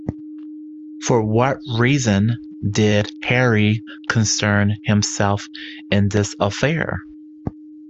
For what reason did Harry concern himself in this affair?